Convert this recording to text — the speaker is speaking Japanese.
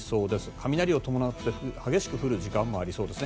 雷を伴って激しく降る時間もありそうです。